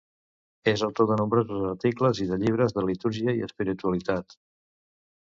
És autor de nombrosos articles i de llibres de litúrgia i espiritualitat.